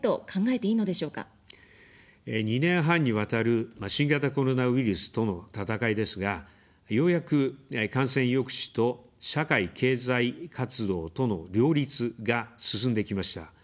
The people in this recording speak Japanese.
２年半にわたる新型コロナウイルスとの闘いですが、ようやく感染抑止と、社会・経済活動との両立が進んできました。